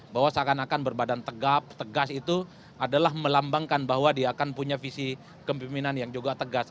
bahwa seakan akan berbadan tegap tegas itu adalah melambangkan bahwa dia akan punya visi kepimpinan yang juga tegas